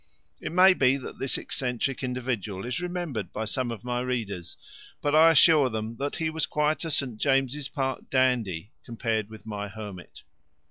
It may be that this eccentric individual is remembered by some of my readers, but I assure them that he was quite a St. James's Park dandy compared with my hermit.